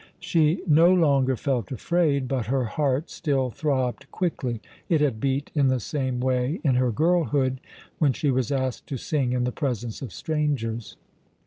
She no longer felt afraid, but her heart still throbbed quickly. It had beat in the same way in her girlhood, when she was asked to sing in the presence of strangers.